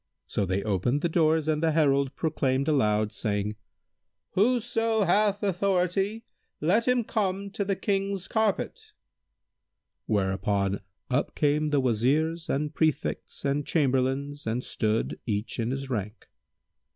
So they opened the doors and the herald proclaimed aloud, saying, "Whoso hath authority, let him come to the King's carpet[FN#164]!" Whereupon up came the Wazirs and Prefects and Chamberlains and stood, each in his rank.